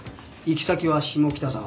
行き先は下北沢。